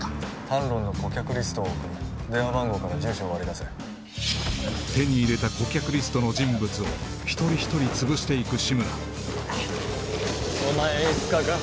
タンロンの顧客リストを送る電話番号から住所を割り出せ手に入れた顧客リストの人物を一人一人つぶしていく志村お前演出家か？